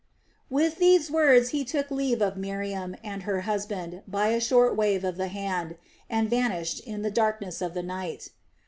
'" With these words he took leave of Miriam and her husband by a short wave of the hand, and vanished in the darkness of the night.